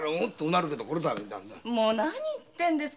何言ってんですか